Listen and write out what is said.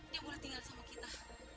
dia boleh tinggal sama kita